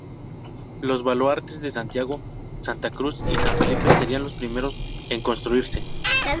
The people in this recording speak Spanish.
Los baluartes de Santiago, Santa Cruz y San Felipe serían los primeros en construirse.